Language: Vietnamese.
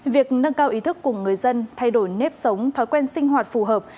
việc nâng cao ý thức của người dân thay đổi nếp sống thói quen sinh hoạt phù hợp